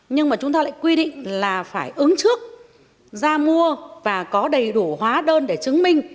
nhưng mà chúng ta lại quy định là phải ứng trước ra mua và có đầy đủ hóa đơn để chứng minh